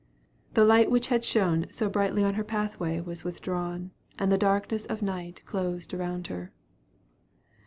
The light which had shone so brightly on her pathway was withdrawn, and the darkness of night closed around her.